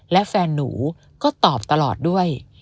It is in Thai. และแฟนหนูก็ตอบตลอดด้วย